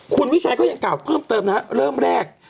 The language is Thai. คุณวิชัยก็ยังกล่าวเพิ่มเติมนะฮะเริ่มแรก